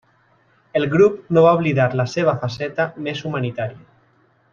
El grup no va oblidar la seva faceta més humanitària.